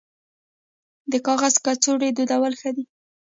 د کاغذ کڅوړې دودول ښه دي